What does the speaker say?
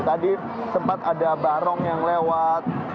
tadi sempat ada barong yang lewat